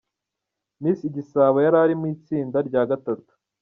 Miss Igisabo yari ari mu itsinda rya gatatu.